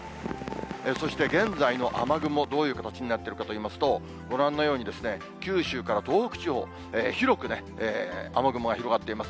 そして現在の雨雲、どういう形になっているかといいますと、ご覧のように、九州から東北地方、広く雨雲が広がっています。